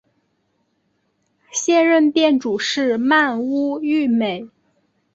现任店主是鳗屋育美。